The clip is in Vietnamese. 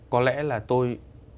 có lẽ là tôi